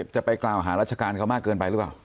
จะไปกล่าวหาราชการเขามากเกินไปหรือเปล่า